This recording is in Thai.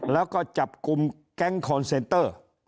แล้วก็จับกลุ่มแก๊งคอนเซนเตอร์